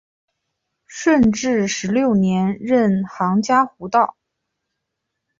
顺治十六年任杭嘉湖道。